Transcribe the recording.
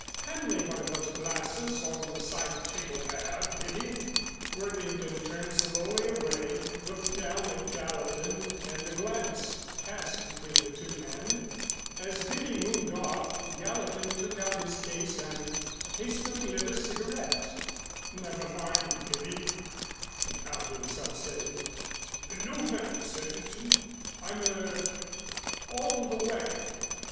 "Hand me one of those glasses on the side table there, Bibby." Worthington turned slowly away, looked down at Gallatin and a glance passed between the two men. As Bibby moved off Gallatin took out his case and hastily lit a cigarette. "Never mind, Bibby," he found himself saying. "No, thanks, Egerton, I'm er on the wagon."